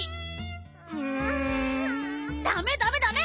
うん。ダメダメダメ！